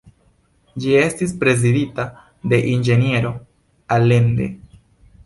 Ĝi estis prezidita de inĝeniero Allende.